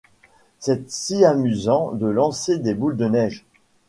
C’est si amusant de lancer des boules de neige !